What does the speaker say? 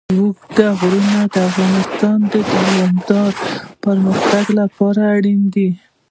اوږده غرونه د افغانستان د دوامداره پرمختګ لپاره اړین دي.